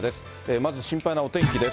まず心配なお天気です。